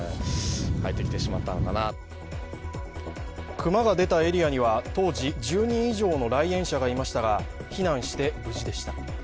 熊が出たエリアには当時１０人以上の来園者がいましたが、避難して無事でした。